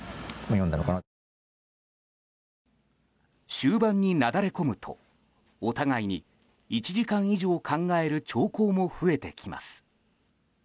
終盤になだれ込むとお互いに１時間以上考える長考も増えてきます。